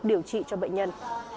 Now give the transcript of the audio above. điều trị cho bệnh nhân